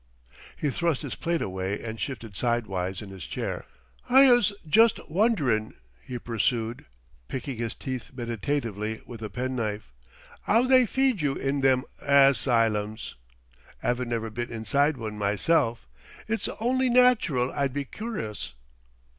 He thrust his plate away and shifted sidewise in his chair. "I 'uz just wonderin'," he pursued, picking his teeth meditatively with a pen knife, "'ow they feeds you in them as ylums. 'Avin' never been inside one, myself, it's on'y natural I'd be cur'us....